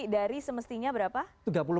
dari semestinya berapa